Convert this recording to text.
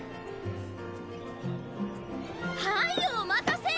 はいお待たせ！